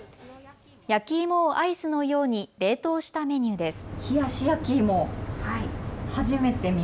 焼き芋をアイスのように冷凍したメニューです。